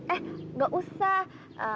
eh gak usah